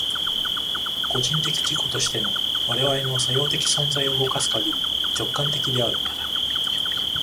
個人的自己としての我々の作用的存在を動かすかぎり、直観的である。